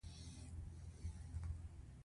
د مغزو لویه جمجمه اسانه نهده، چې انتقال شي.